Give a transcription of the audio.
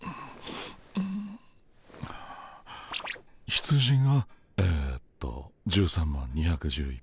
羊がえっと１３万２１１